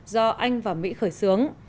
do anh và mỹ khởi xướng